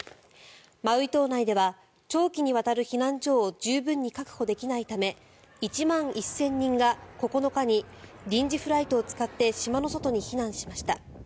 マウイ島内では長期にわたる避難所を十分に確保できないため１万１０００人が、９日に臨時フライトを使って島の外に避難しました。